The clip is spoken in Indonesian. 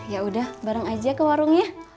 yaudah bareng aja ke warungnya